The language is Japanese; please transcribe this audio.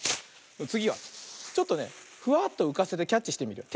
つぎはちょっとねフワッとうかせてキャッチしてみるよ。